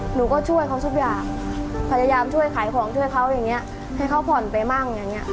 หนูก็ช่วยเขาทุกอย่างพยายามช่วยขายของช่วยเขาให้เขาผ่อนไปบ้าง